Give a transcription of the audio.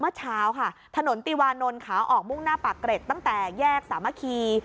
เมื่อเช้าค่ะถนนติวานนท์ขาออกมุ่งหน้าปากเกร็ดตั้งแต่แยกสามัคคี